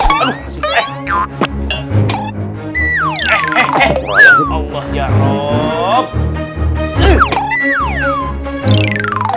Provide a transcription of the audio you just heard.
ya allah ya rabb